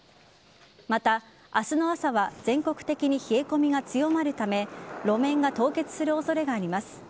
また、明日の朝は全国的に冷え込みが強まるため路面が凍結する恐れがあります。